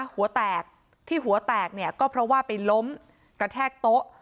หัวแตกที่หัวแตกเนี่ยก็เพราะว่าไปล้มกระแทกโต๊ะ